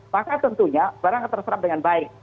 maka tentunya barang terserap dengan baik